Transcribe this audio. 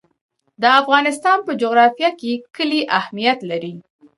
د افغانستان په جغرافیه کې کلي اهمیت لري.